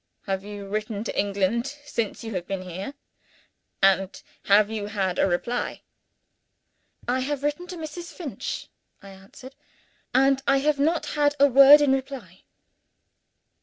"Have you written to England since you have been here? and have you had a reply?" "I have written to Mrs. Finch," I answered; "and I have not had a word in reply."